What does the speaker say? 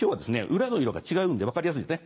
裏の色が違うんで分かりやすいですね。